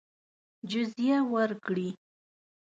جزیه ورکړي.